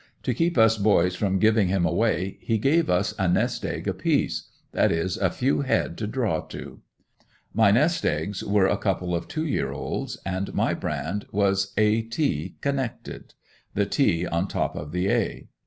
To keep us boys from giving him away, he gave us a nest egg apiece that is a few head to draw to. My nest eggs were a couple of two year olds, and my brand was A. T. connected the T. on top of the A.